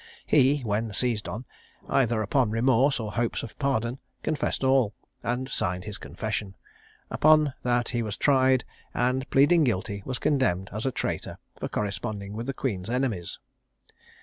He, when seized on, either upon remorse or hopes of pardon, confessed all, and signed his confession: upon that he was tried, and, pleading guilty, was condemned as a traitor, for corresponding with the Queen's enemies.